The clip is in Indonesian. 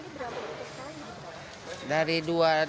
bisa beli berapa